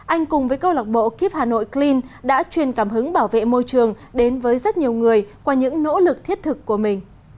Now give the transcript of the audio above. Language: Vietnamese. anh cùng với câu lạc bộ kep hà nội clean đã truyền cảm hứng bảo vệ môi trường đến với rất nhiều người qua những nỗ lực thiết thực của mình